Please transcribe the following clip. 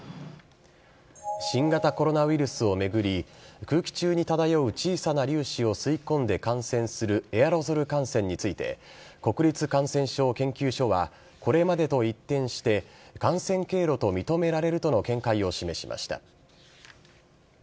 新型コロナウイルスを巡り、空気中に漂う小さな粒子を吸い込んで感染するエアロゾル感染について、国立感染症研究所はこれまでと一転して、感染経路と認められるとの見解を示しました。